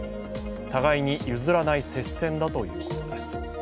互いに譲らない接戦だということです。